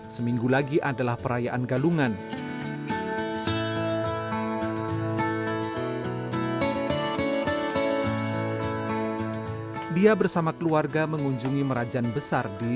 seminggu lagi adalah perayaan galungan dia bersama keluarga mengunjungi merajan besar di